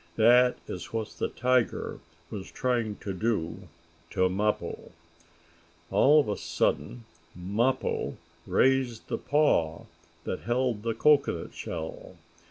That is what the tiger was trying to do to Mappo. All of a sudden Mappo raised the paw that held the cocoanut shell.